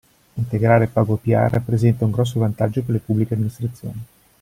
Integrare PagoPA rappresenta un grosso vantaggio per le Pubbliche Amministrazioni.